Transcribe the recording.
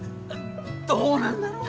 どうなんだろうな。